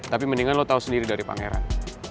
tapi mendingan lo tahu sendiri dari pangeran